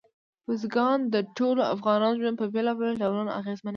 بزګان د ټولو افغانانو ژوند په بېلابېلو ډولونو اغېزمنوي.